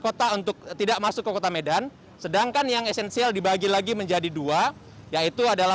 kota untuk tidak masuk ke kota medan sedangkan yang esensial dibagi lagi menjadi dua yaitu adalah